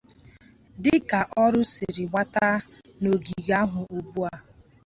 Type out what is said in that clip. Dịka ọrụ siri gbata kwụrụ n'ogige ahụ ugbua